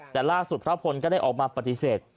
แต่ล่าสุดพระพลก็ได้ออกมาปฏิเสธ